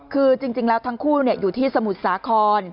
คือจริงแล้วทั้งคู่อยู่ที่สมุทรสาคร